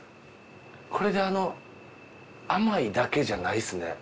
これであの甘いだけじゃないですね。